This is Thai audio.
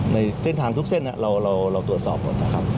ในเส้นทางทุกเส้นเราตรวจสอบหมดนะครับ